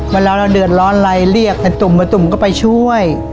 เวลาเราเดือดร้อนอะไรเรียกไอ้ตุ่มไอ้ตุ่มก็ไปช่วย